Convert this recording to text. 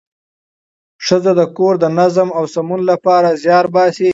ښځه د کور د نظم او سمون لپاره زیار باسي